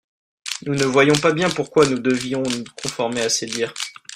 nous ne voyions pas bien pourquoi nous devions nous conformer à ses dires.